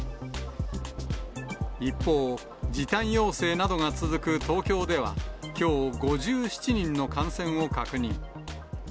一方、時短要請などが続く東京では、きょう、５７人の感染を確認。